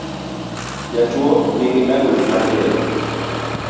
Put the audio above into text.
Jatuo nigi dang’ni mar del